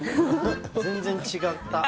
全然違った。